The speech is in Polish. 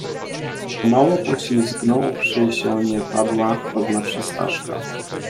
"O mało pośliznąwszy się nie padła, poznawszy Staszka."